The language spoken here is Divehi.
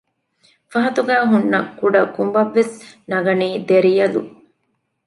ފަހަތުގައި ހުންނަ ކުޑަ ކުނބަށް ވެސް ނަގަނީ ދެރިޔަލު